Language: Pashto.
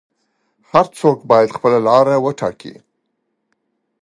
هر څوک باید خپله لاره وټاکي.